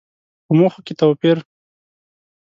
په موخو کې توپير.